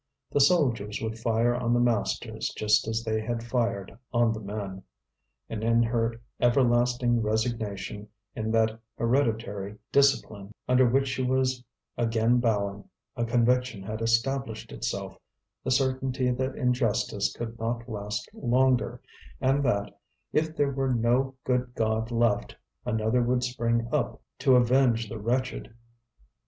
The soldiers would fire on the masters just as they had fired on the men. And in her everlasting resignation, in that hereditary discipline under which she was again bowing, a conviction had established itself, the certainty that injustice could not last longer, and that, if there were no good God left, another would spring up to avenge the wretched.